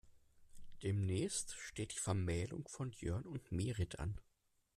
Demnächst steht die Vermählung von Jörn und Merit an.